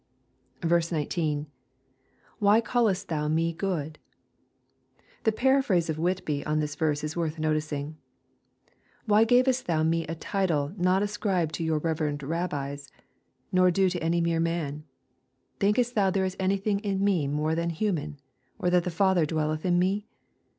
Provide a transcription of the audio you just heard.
19. —[ Why caUest thou me gooflf] The paraphrase of Whitby on this verse is worth noticing :—" Why gavest thou me a title not as cribed to your reverend rabbins, nor due to any mere man? Thinkest thou there is anything in me more than human, or that the Father dwelleth in me